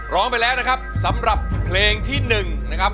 ร้องไปแล้วนะครับสำหรับเพลงที่๑นะครับ